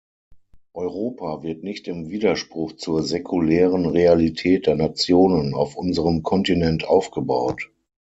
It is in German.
Europa wird nicht im Widerspruch zur sekulären Realität der Nationen auf unserem Kontinent aufgebaut.